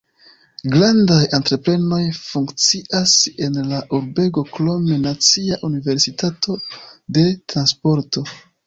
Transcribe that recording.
Grandaj entreprenoj funkcias en la urbego, krome Nacia Universitato de Transporto.